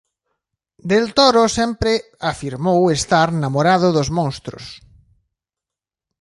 Del Toro sempre afirmou estar "namorado dos monstros.